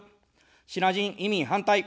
シナ人移民反対。